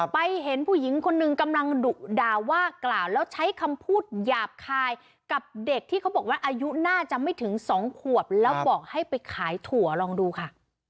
ไปเห็นผู้หญิงคนหนึ่งกำลังดุด่าว่ากล่าวแล้วใช้คำพูดหยาบคายกับเด็กที่เขาบอกว่าอายุน่าจะไม่ถึง๒ขวบแล้วบอกให้ไปขายถั่วลองดูค่ะ